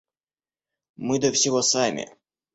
Мы до всего сами.